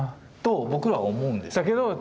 と僕は思うんですけど。